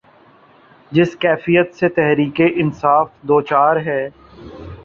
جس کیفیت سے تحریک انصاف دوچار ہے۔